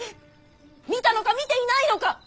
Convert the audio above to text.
見たのか見ていないのか！